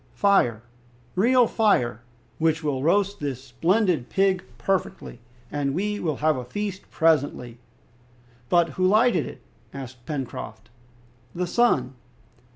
"Fire, real fire, which will roast this splendid pig perfectly, and we will have a feast presently!" "But who lighted it?" asked Pencroft. "The sun!"